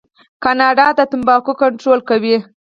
کاناډا د تمباکو کنټرول کوي.